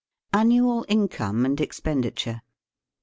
Annual Income mid Expenditure.